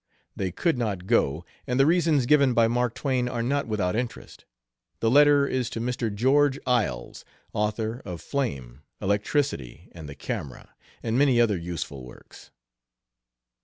They could not go, and the reasons given by Mark Twain are not without interest. The letter is to Mr. George Iles, author of Flame, Electricity, and the Camera, and many other useful works.